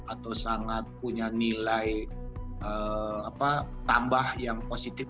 atau sangat punya nilai tambah yang positif